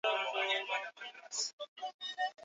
imeweka bayana bei imechupa kwa kiwango kikubwa